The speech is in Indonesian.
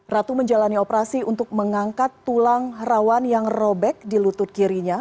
ratu menjalani operasi untuk mengangkat tulang rawan yang robek di lutut kirinya